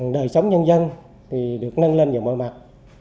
đời sống nhân dân thì được nâng lên vào mọi mặt